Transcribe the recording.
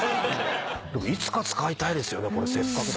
いつか使いたいですよねこれせっかくだから。